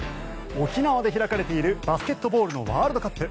沖縄で開かれているバスケットボールのワールドカップ。